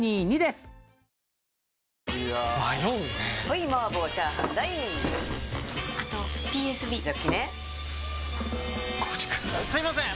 すいません！